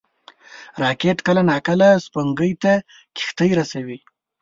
راکټ کله ناکله سپوږمۍ ته کښتۍ رسوي